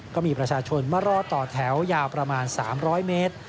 ก็มีประชาชนมารอต่อแถวยาวประมาณ๓๐๐เมตร